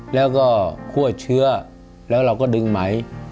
แล้วก็คั่วเชื้อแล้วเราก็ดึงไหม